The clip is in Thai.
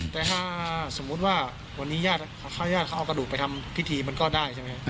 แต่ถ้าสมมุติว่าวันนี้ญาติเขาเอากระดูกไปทำพิธีมันก็ได้ใช่ไหมครับ